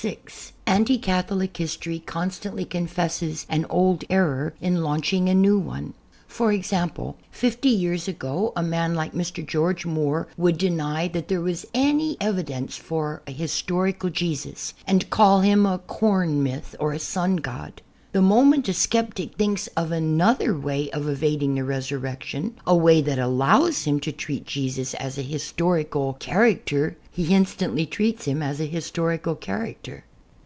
(6) Anti Catholic history constantly confesses an old error in launching a new one. e.g. Fifty years ago a man like Mr. George Moore would deny that there was any evidence for a historical Jesus, and call him a Corn Myth or a Sun God. The moment a sceptic thinks of another way of evadmg the Resurrection — a way that allows him to" treat Jesus as a historical character — he instantly treats him as a historical character.